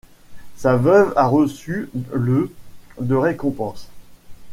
Sa veuve a reçu le de récompense.